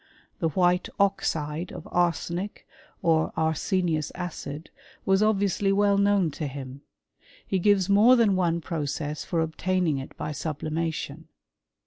The white oxide of arsenic or arsenious acid, was ob viously well known to him. He gives more than one process for obtaining it by sublimation.